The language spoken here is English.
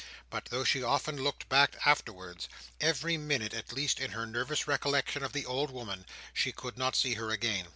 But though she often looked back afterwards—every minute, at least, in her nervous recollection of the old woman—she could not see her again.